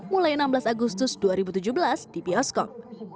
mulai enam belas agustus dua ribu tujuh belas di bioskop